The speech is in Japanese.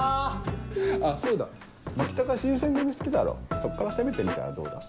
そうだ牧高新選組好きだろそっから攻めてみたらどうだ。